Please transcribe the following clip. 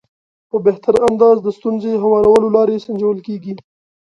په بهتر انداز د ستونزې هوارولو لارې سنجول کېږي.